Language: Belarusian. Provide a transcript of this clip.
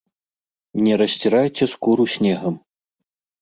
Не расцірайце скуру снегам.